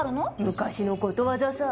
昔のことわざさ。